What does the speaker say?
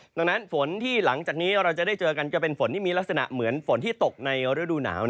ดังนั้นฝนที่หลังจากนี้เราจะได้เจอกันก็เป็นฝนที่มีลักษณะเหมือนฝนที่ตกในฤดูหนาว